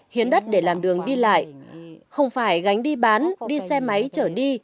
hiến đất để làm đường đi lại không phải gánh đi bán đi xe máy chở đi